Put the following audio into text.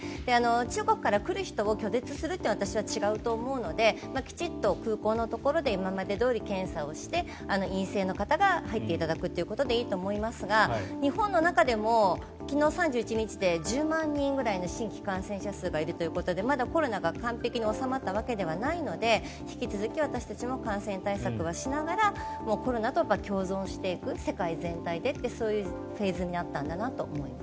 中国から来る人を拒絶するのは私は違うと思うのできちんと空港のところで今までどおり検査をして陰性の方が入っていただくということでいいと思いますが日本の中でも昨日３１日で１０万人ぐらいの新規感染者数がいるということでまだコロナが完璧に収まったわけではないので引き続き私たちも感染対策はしながらコロナと共存していく世界全体でとそういうフェーズになったんだなと思います。